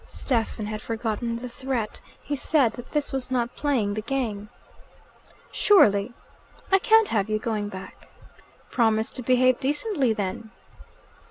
Stephen had forgotten the threat. He said that this was not playing the game. "Surely!" "I can't have you going back." "Promise to behave decently then."